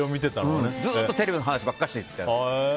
ずっとテレビの話ばっかり。